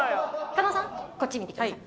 加納さんこっち見てください。